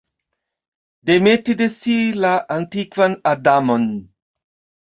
Demeti de si la antikvan Adamon.